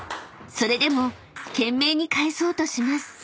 ［それでも懸命に返そうとします］